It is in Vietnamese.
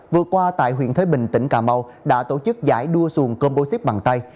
vừa qua tại huyện thế bình tỉnh cà mau đã tổ chức giải đua xuồng composite bằng tay